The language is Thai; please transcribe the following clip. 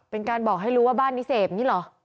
เป็นการบอกให้รู้ว่าบ้านนี้เสพอย่างนี้เหรอ